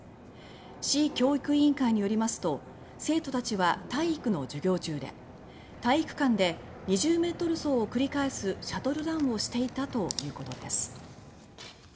市教育委員会によりますと生徒たちは体育の授業中で体育館で２０ｍ走を繰り返すシャトルランをしていたということです。